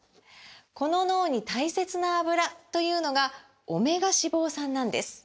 この脳に大切なアブラというのがオメガ脂肪酸なんです！